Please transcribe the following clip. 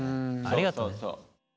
ありがとうね。